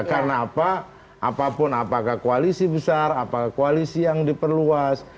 karena apa apapun apakah koalisi besar apakah koalisi yang diperluas